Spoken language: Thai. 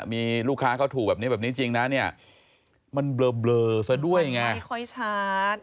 มีลูกค้าเขาถูกแบบนี้แบบนี้จริงนะเนี่ยมันเบลอซะด้วยไงไม่ค่อยชัด